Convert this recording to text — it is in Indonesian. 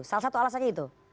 salah satu alasannya itu